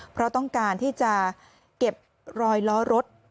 เพราะต้องการที่จะเก็บรอยล้อรถ